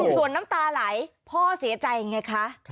ส่วนน้ำตาไหลพ่อเสียใจไงคะ